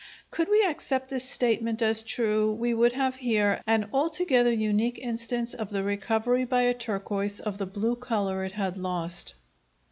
Could we accept this statement as true we would have here an altogether unique instance of the recovery by a turquoise of the blue color it had lost.